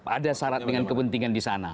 ada syarat dengan kepentingan di sana